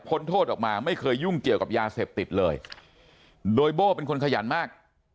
โทษออกมาไม่เคยยุ่งเกี่ยวกับยาเสพติดเลยโดยโบ้เป็นคนขยันมาก